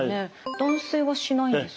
男性はしないんですか？